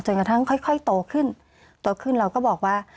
กระทั่งค่อยโตขึ้นโตขึ้นเราก็บอกว่า